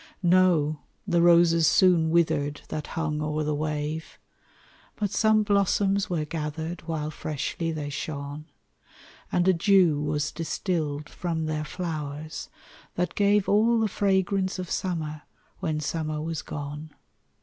No, the roses soon wither'd that hung o'er the wave, But some blossoms were gather'd while freshly they shone, And a dew was distill'd from their flowers, that gave All the fragrance of summer, when summer was gone.